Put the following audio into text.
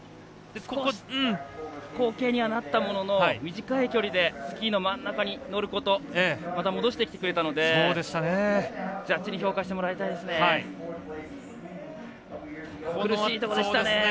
後傾にはなったものの短い距離でスキーの真ん中に乗ることまた戻してきてくれたのでジャッジに評価してもらいたいですね。